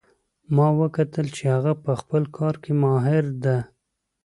ما وکتل چې هغه په خپل کار کې ماهر ده